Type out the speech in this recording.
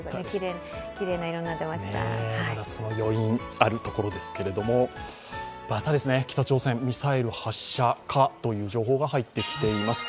その余韻、あるところですけれどもまた北朝鮮、ミサイル発射かというニュースが入ってきています。